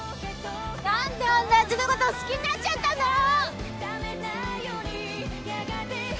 「何であんなやつのこと好きになっちゃったんだろ！」